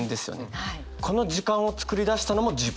この時間を作り出したのも自分。